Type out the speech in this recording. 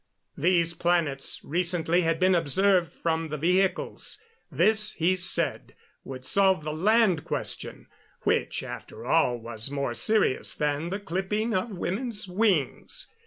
These planets recently had been observed from the vehicles. This, he said, would solve the land question, which, after all, was more serious than the clipping of women's wings.